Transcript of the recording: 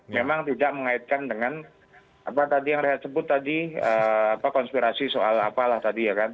memang tidak mengaitkan dengan apa tadi yang rehat sebut tadi konspirasi soal apalah tadi ya kan